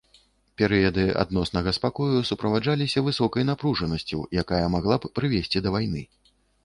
Перыяды адноснага спакою суправаджаліся высокай напружанасцю, якая магла б прывесці да вайны.